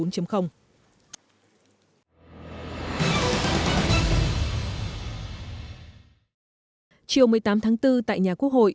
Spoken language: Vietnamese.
chiều một mươi tám tháng bốn tại nhà quốc hội chủ tịch quốc hội nguyễn thị kim ngân tiếp đoàn thượng